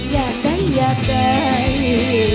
อยากได้อยากได้